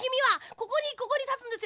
ここにここにたつんですよ